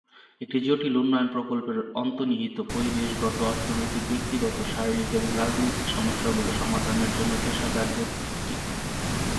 একটি জটিল উন্নয়ন প্রকল্পের অন্তর্নিহিত পরিবেশগত, অর্থনৈতিক, ব্যক্তিগত, শারীরিক এবং রাজনৈতিক সমস্যাগুলি সমাধানের জন্য পেশাদারদের একটি দলকে সমবেত করা সমালোচনা।